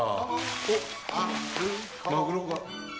おっマグロが。